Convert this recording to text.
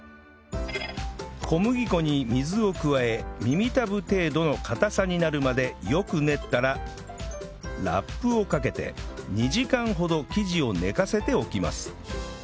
小麦粉に水を加え耳たぶ程度の硬さになるまでよく練ったらラップをかけて２時間ほど生地を寝かせておきます